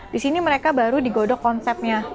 di sini mereka baru digodok konsepnya